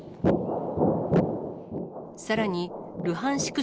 さらに、ルハンシク